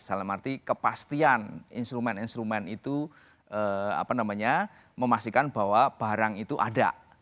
dalam arti kepastian instrumen instrumen itu memastikan bahwa barang itu ada